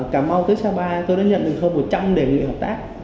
cà mau tới sapa tôi đã nhận được hơn một trăm linh đề nghị hợp tác